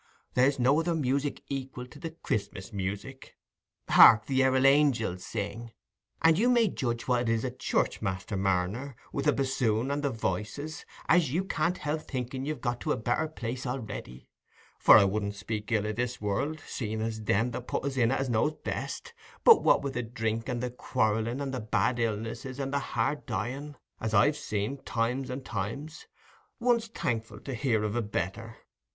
"There's no other music equil to the Christmas music—"Hark the erol angils sing." And you may judge what it is at church, Master Marner, with the bassoon and the voices, as you can't help thinking you've got to a better place a'ready—for I wouldn't speak ill o' this world, seeing as Them put us in it as knows best—but what wi' the drink, and the quarrelling, and the bad illnesses, and the hard dying, as I've seen times and times, one's thankful to hear of a better.